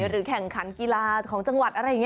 หรือแห่งขันกีฬาของจังหวัด